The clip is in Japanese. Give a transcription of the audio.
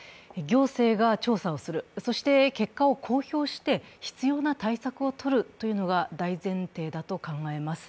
行政が調査をする、そして結果を公表して必要な対策を取るというのが大前提だと考えます。